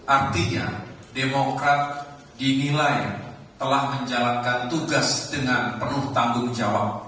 artinya demokrat dinilai telah menjalankan tugas dengan penuh tanggung jawab